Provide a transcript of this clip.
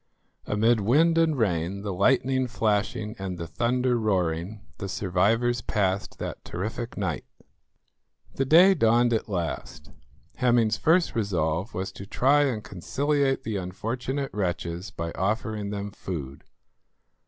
Amid wind and rain, the lightning flashing and the thunder roaring, the survivors passed that terrific night. The day dawned at last. Hemming's first resolve was to try and conciliate the unfortunate wretches by offering them food.